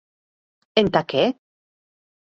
E entà qué?